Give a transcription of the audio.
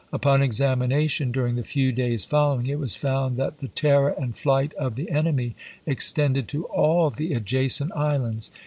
Upon examination during the few days following, it was found that the terror and flight of the enemy extended to all the adjacent islands.